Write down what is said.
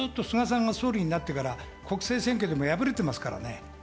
ずっと菅さんが総理になってから国政選挙でも敗れてますから。